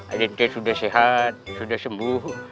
identitas sudah sehat sudah sembuh